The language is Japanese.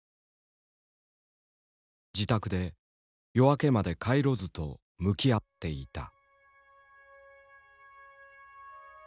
自宅で夜明けまで回路図と向き合っていた。